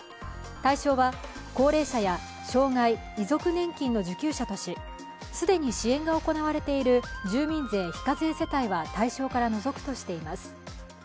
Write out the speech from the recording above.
対象は高齢者や障害・遺族年金の受給者とし既に支援が行われている住民税非課税世帯は対象から除くとしています。